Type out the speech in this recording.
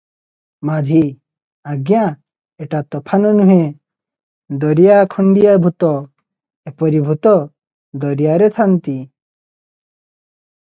ମାଝି- ଆଜ୍ଞା, ଏଟା ତୋଫାନ ନୁହେଁ, ଦରିଆ ଖଣ୍ଡିଆ ଭୂତ, ଏପରି ଭୂତ ଦରିଆରେ ଥାନ୍ତି ।